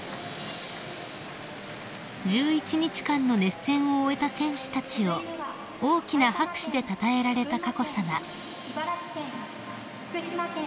［１１日間の熱戦を終えた選手たちを大きな拍手でたたえられた佳子さま］